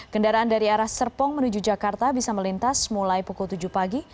kendaraan dari arah serpong menuju jakarta bisa melintas mulai pukul tujuh pagi